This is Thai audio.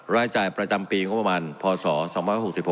รายจ่ายประจำปีงบประมาณพศ๒๖๖